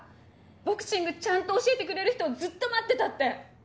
「ボクシングちゃんと教えてくれる人をずっと待ってた」って。